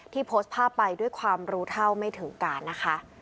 โพสต์ภาพไปด้วยความรู้เท่าไม่ถึงการนะคะ